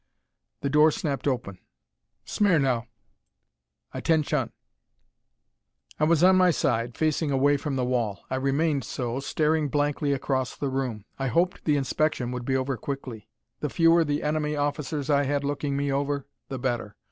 The door snapped open. "Smirnow!" (Atten shun!) I was on my side, facing away from the wall. I remained so, staring blankly across the room. I hoped the inspection would be over quickly. The fewer the enemy officers I had looking me over, the better.